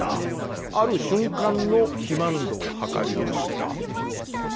ある瞬間の肥満度を測りました。